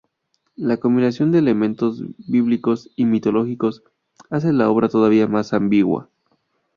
La combinación de elementos bíblicos y mitológicos hace la obra todavía más ambigua.